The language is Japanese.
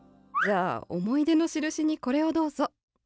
じゃあ思い出のしるしにこれをどうぞ。